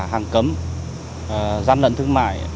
hàng cấm gian lận thương mại